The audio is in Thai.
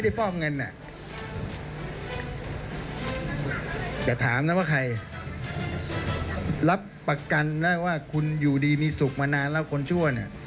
อย่าถามนะว่าใครรับประกันนะว่าคุณอยู่ดีมีสุขมานานแล้วคนชั่วเนี่ย